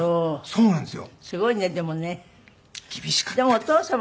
そうなんです。